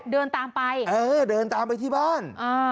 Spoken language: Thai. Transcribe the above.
เดินตามไปเออเดินตามไปที่บ้าน